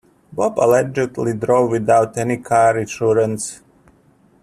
Bob allegedly drove without any car insurance.